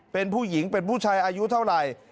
เป็นผู้หญิงเป็นผู้ชายอายุเท่าไหร่